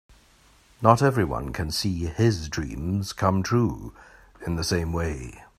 Not everyone can see his dreams come true in the same way.